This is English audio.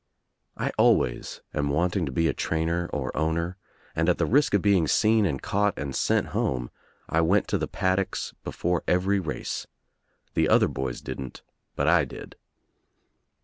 I always am wanting to be a trainer or owner, and at the risk of being seen and caught and sent home I went to the paddocks before every race. The other boys didn't but I did.